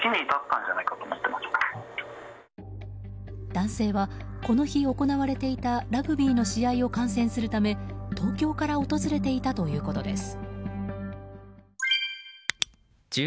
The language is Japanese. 男性はこの日行われていたラグビーの試合を観戦するため東京から訪れていたということです。